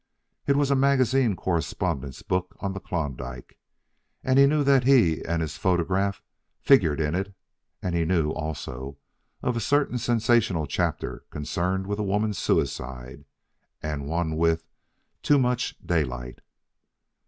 It was a magazine correspondent's book on the Klondike, and he knew that he and his photograph figured in it and he knew, also, of a certain sensational chapter concerned with a woman's suicide, and with one "Too much Daylight."